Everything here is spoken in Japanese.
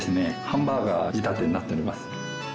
ハンバーガー仕立てになっております。